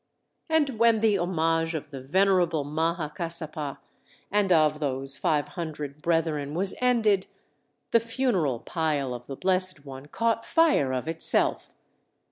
And when the homage of the venerable Maha Kassapa and of those five hundred brethren was ended, the funeral pile of the Blessed One caught fire of itself.